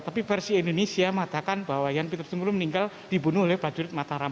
tapi versi indonesia mengatakan bahwa jan pietersoenkoen meninggal dibunuh oleh pak jurid mataram